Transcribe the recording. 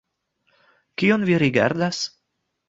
Kion vi rigardas?